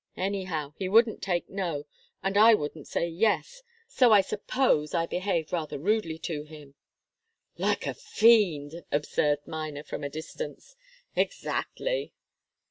Anyhow, he wouldn't take 'no,' and I wouldn't say 'yes' and so I suppose I behaved rather rudely to him." "Like a fiend!" observed Miner, from a distance. "Exactly.